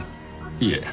いえ。